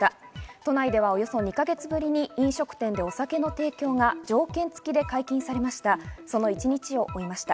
都内では、およそ２か月ぶりに飲食店でお酒の提供が条件付きで解禁されました。